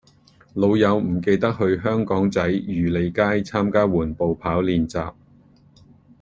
老友唔記得去香港仔漁利街參加緩步跑練習